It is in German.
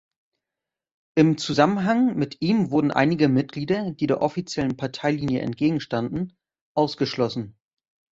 Im Zusammenhang mit ihm wurden einige Mitglieder, die der offiziellen Parteilinie entgegenstanden, ausgeschlossen.